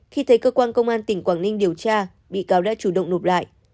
khi thấy cơ quan công an tỉnh quảng ninh điều tra bị cáo đã chủ động nộp lại